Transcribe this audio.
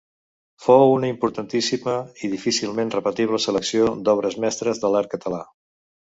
Fou una importantíssima i difícilment repetible selecció d'obres mestres de l'art català.